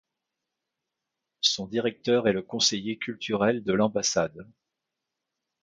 Son directeur est le conseiller culturel de l'ambassade.